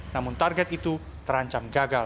namun target itu terancam gagal